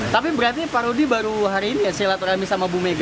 tapi berarti pak rudi baru hari ini ya silaturahmi sama bu mega